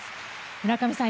村上さん